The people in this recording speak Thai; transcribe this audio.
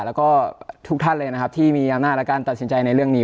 และทุกท่านที่มียาวหน้าและตัดสินใจในเรื่องนี้